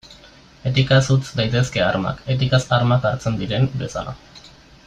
Etikaz utz daitezke armak, etikaz armak hartzen diren bezala.